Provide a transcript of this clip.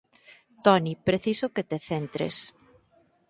Toni, preciso que te centres.